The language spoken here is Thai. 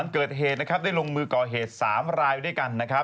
เกิดเหตุได้ลงมือก่อเหตุ๓ลายล์ไว้ด้วยกัน